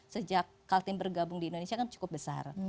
sejak kaltim bergabung di indonesia kan cukup besar